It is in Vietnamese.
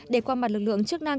để qua mặt lực lượng chức năng